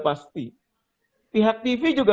pasti pihak tv juga